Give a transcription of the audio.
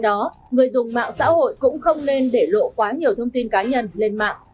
bởi vì người dùng mạng xã hội không nên để lộ quá nhiều thông tin cá nhân lên mạng